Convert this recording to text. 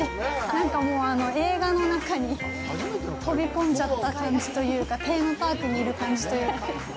なんか、もう映画の中に飛び込んじゃった感じというかテーマパークにいる感じというか。